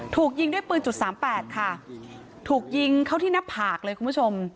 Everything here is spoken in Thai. ถูกยิงด้วยปืนจุดสามแปดค่ะถูกยิงเข้าที่หน้าผากเลยคุณผู้ชม